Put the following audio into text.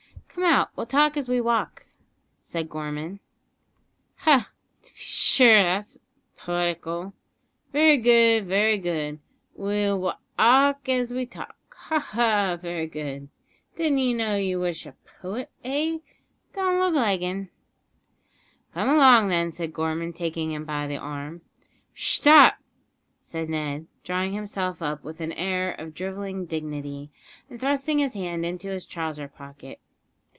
"Come out, we'll walk as we talk," said Gorman. "Ha! to b'shure; 'at's poetical very good, very good, we'll wa alk as we talk ha! ha! very good. Didn't know you wash a poet eh? don't look like 'un." "Come along, then," said Gorman, taking him by the arm. "Shtop!" said Ned, drawing himself up with an air of drivelling dignity, and thrusting his hand into his trouser pocket.